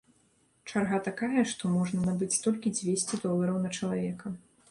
Чарга такая, што можна набыць толькі дзвесце долараў на чалавека.